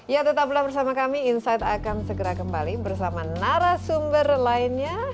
ya tetaplah bersama kami insight akan segera kembali bersama narasumber lainnya